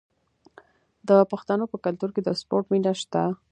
د پښتنو په کلتور کې د سپورت مینه شته.